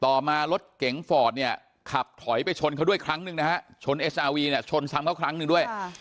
ต่อมารถเก๋งฟอร์ดเนี่ยขับถอยไปชนเขาด้วยครั้งหนึ่งนะฮะชนเอสซาวีเนี่ยชนซ้ำเขาครั้งหนึ่งด้วย